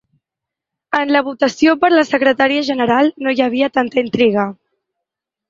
En la votació per a la secretaria general no hi havia tanta intriga.